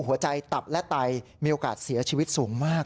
ตับและไตมีโอกาสเสียชีวิตสูงมาก